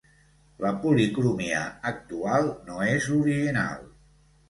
La policromia actual no és l'original.